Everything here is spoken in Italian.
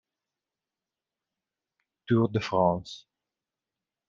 Tour de France